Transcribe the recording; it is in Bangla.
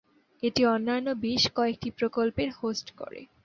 এটি অন্যান্য বেশ কয়েকটি প্রকল্পের হোস্ট করে।